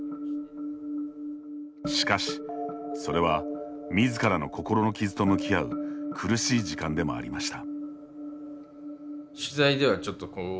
しかし、それはみずからの心の傷と向き合う苦しい時間でもありました。